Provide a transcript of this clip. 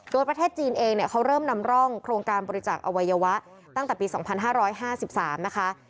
โดยประเทศจีนเองเขาเริ่มนำร่องโครงการบริจาคอวัยวะตั้งแต่ปี๒๕๕๓นะคะ